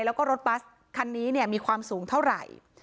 แล้วก็รถบัสคันนี้เนี่ยมีความสูงเท่าไหร่